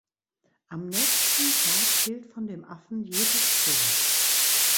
Am nächsten Tag fehlt von dem Affen jede Spur.